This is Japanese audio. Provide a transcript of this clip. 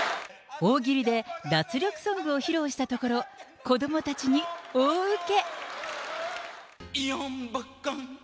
大喜利で脱力ソングを披露したところ、子どもたちに大受け。